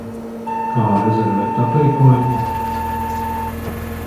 Kā rezervēt aprīkojumu?